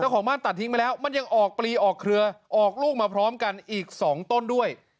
ของบ้านตัดทิ้งไปแล้วมันยังออกปลีออกเครือออกลูกมาพร้อมกันอีก๒ต้นด้วย